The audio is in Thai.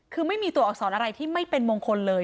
คือไม่มีตัวอักษรอะไรที่ไม่เป็นมงคลเลย